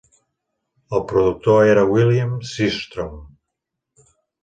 El productor era William Sistrom.